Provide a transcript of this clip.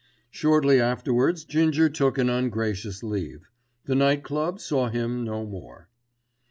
Shortly afterwards Ginger took an ungracious leave. The Night Club saw him no more.